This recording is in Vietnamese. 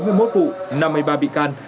có bốn mươi một vụ năm mươi ba bị can